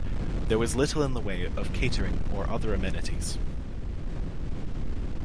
There was little in the way of catering or other amenities.